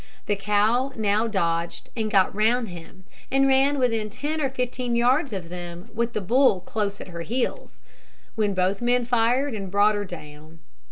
The cow now dodged and got round him, and ran within ten or fifteen yards of them, with the bull close at her heels, when both men fired, and brought her down.